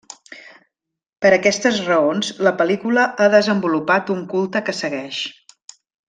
Per aquestes raons la pel·lícula ha desenvolupat un culte que segueix.